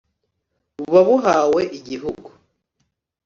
buba buhawe Igihugu"